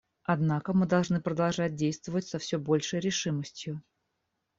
Однако мы должны продолжать действовать со все большей решимостью.